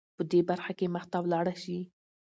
په دې برخه کې مخته ولاړه شې .